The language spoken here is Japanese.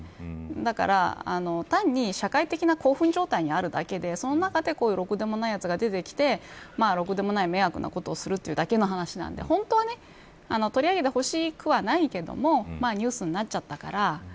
だから単に、社会的な興奮状態にあるだけでその中で、こういうろくでもないやつが出てきてろくでもない迷惑なことをするというだけなので本当は取り上げてほしくはないけれどもニュースになっちゃったから。